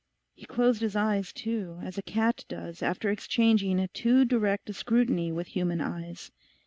He closed his eyes, too, as a cat does after exchanging too direct a scrutiny with human eyes.